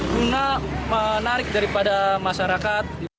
yang menarik daripada masyarakat